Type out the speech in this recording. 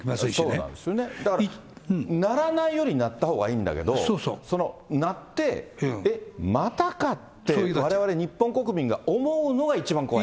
そうなんですよね、だから鳴らないより鳴ったほうがいいんだけど、その鳴って、またかって、われわれ日本国民が思うのが一番怖い。